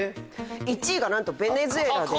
１位がなんとベネズエラで。